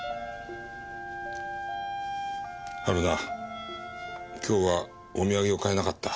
春菜今日はお土産を買えなかった。